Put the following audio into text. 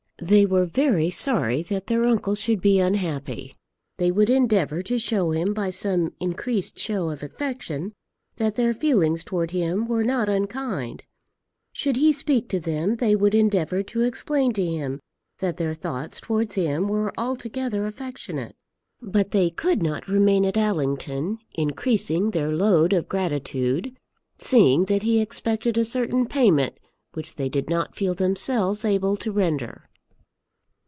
They were very sorry that their uncle should be unhappy. They would endeavour to show him by some increased show of affection that their feelings towards him were not unkind. Should he speak to them they would endeavour to explain to him that their thoughts towards him were altogether affectionate. But they could not remain at Allington increasing their load of gratitude, seeing that he expected a certain payment which they did not feel themselves able to render.